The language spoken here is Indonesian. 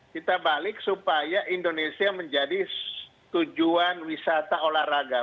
kita balik supaya indonesia menjadi tujuan wisata olahraga